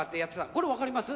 これ、分かります？